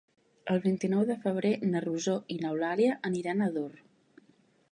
El vint-i-nou de febrer na Rosó i n'Eulàlia aniran a Ador.